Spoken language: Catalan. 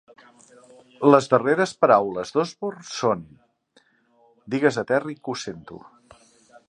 Les darreres paraules d'Osborn són, Digues a Terry que ho sento.